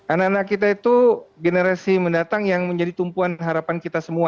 anak anak kita itu generasi mendatang yang menjadi tumpuan harapan kita semua